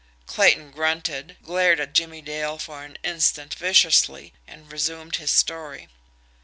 Clayton grunted, glared at Jimmie Dale for an instant viciously and resumed his story.